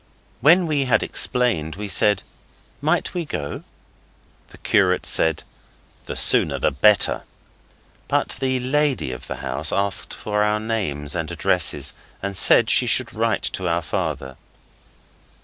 When we had explained, we said, 'Might we go?' The curate said, 'The sooner the better.' But the Lady of the House asked for our names and addresses, and said she should write to our Father.